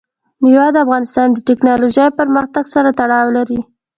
مېوې د افغانستان د تکنالوژۍ پرمختګ سره تړاو لري.